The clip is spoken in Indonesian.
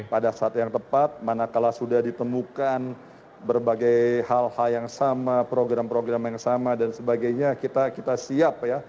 pada saat yang tepat manakala sudah ditemukan berbagai hal hal yang sama program program yang sama dan sebagainya kita siap ya